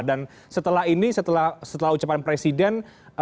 dan setelah ini setelah ucapan presiden